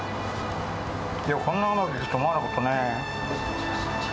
こんなにうまくいくと思わなかったね。